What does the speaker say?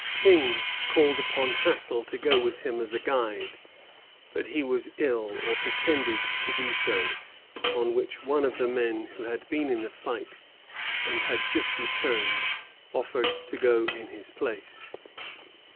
Tyng called upon Hassell to go with him as a guide; but he was ill, or pretended to be so, on which one of the men who had been in the fight and had just returned offered to go in his place.